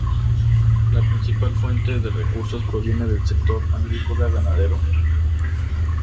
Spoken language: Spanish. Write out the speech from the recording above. La principal fuente de recursos proviene del sector agrícola-ganadero.